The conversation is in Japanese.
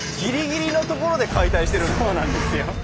マジ⁉そうなんですよ。